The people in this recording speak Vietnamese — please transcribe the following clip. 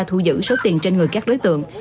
thu giữ số tiền trên người các đối tượng